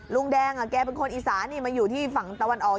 ลุงแดงแกเป็นคนอีสานนี่มาอยู่ที่ฝั่งตะวันออก